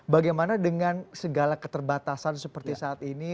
bagaimana dengan segala keterbatasan seperti saat ini